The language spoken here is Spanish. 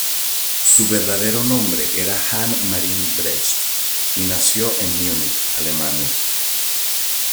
Su verdadero nombre era Hanne Marianne Brecht, y nació en Múnich, Alemania.